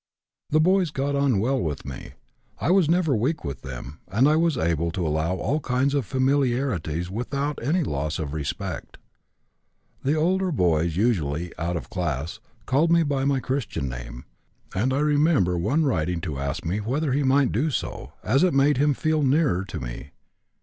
The boys got on well with me. I was never weak with them, and I was able to allow all kinds of familiarities without any loss of respect. The older boys usually, out of class, called me by my Christian name, and I remember one writing to ask me whether he might do so, as it made him feel 'nearer' to me.